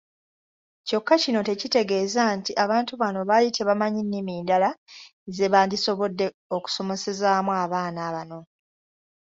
Kyokka kino tekitegeeza nti abantu bano baali tebamanyi nnimi ndala ze bandisobodde okusomesezaamu abaana bano.